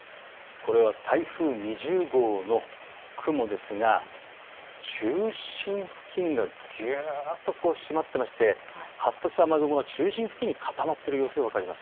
これは台風２０号の雲ですが中心付近がぎゅっと締まっていまして発達した雨雲が中心付近にかたまっている様子が分かります。